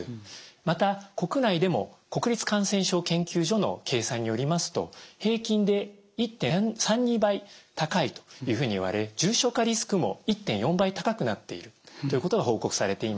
また国内でも国立感染症研究所の計算によりますと平均で１．３２倍高いというふうにいわれ重症化リスクも１．４倍高くなっているということが報告されています。